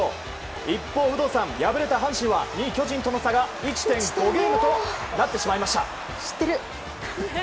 一方、有働さん敗れた阪神はゲーム差が１．５ゲームとなってしまいました。